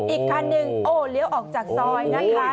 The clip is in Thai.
อีกคันหนึ่งโอ้เลี้ยวออกจากซอยนะคะ